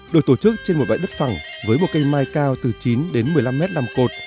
được tổ chức trên một bãi đất phẳng với một cây mai cao từ chín đến một mươi năm mét làm cột